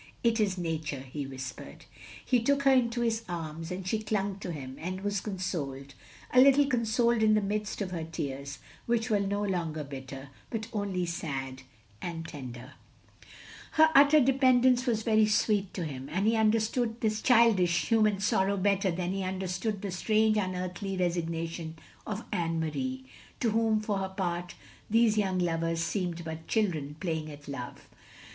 It is Nature," he whispered. He took her into his arms, and she clung to him, and was consoled, a little consoled in the midst of her tears; which were no longer bitter, but only sad and tender. 384 THE LONELY LADY Her utter dependence was very sweet to him, and he tinderstood this childish human sorrow better than he understood the strange unearthly resignation of Anne Marie, — ^to whom, for her part, these young lovers seemed but children, playing at love.